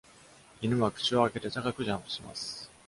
犬は口を開けて高くジャンプします。